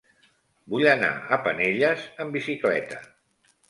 Vull anar a Penelles amb bicicleta.